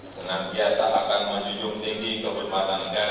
senang biasa akan menunjuk tinggi kehormatan negara